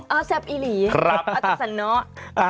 เออแซบอีหลีอัตภัณฑ์เนาะครับ